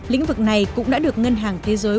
lĩnh vực này cũng đã được ngân hàng thế giới